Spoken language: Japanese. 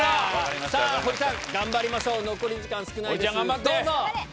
堀さん頑張りましょう残り時間少ないです。